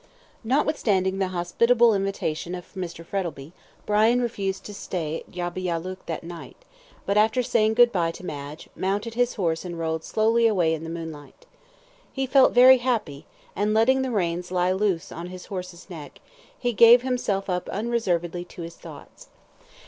Notwithstanding the hospitable invitation of Mr. Frettlby, Brian refused to stay at Yabba Yallook that night, but after saying good bye to Madge, mounted his horse and rode slowly away in the moonlight. He felt very happy, and letting the reins lie on his horse's neck, he gave himself up unreservedly to his thoughts.